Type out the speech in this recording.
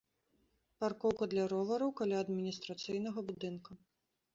Паркоўка для ровараў каля адміністрацыйнага будынка.